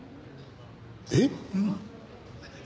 えっ？